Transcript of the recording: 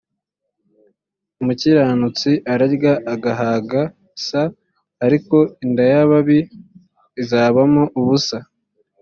umukiranutsi ararya agahaga s ariko inda y ababi izabamo ubusa